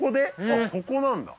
あっここなんだ